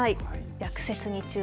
落雪に注意。